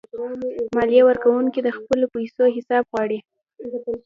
مالیه ورکونکي د خپلو پیسو حساب غواړي.